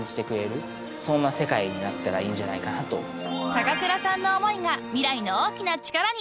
［高倉さんの思いが未来の大きな力に］